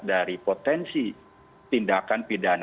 dari potensi tindakan pidana